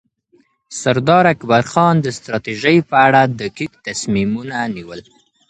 سردار اکبرخان د ستراتیژۍ په اړه دقیق تصمیمونه نیول.